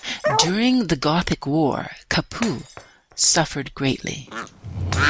During the Gothic War, Capua suffered greatly.